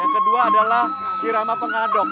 yang kedua adalah irama pengadong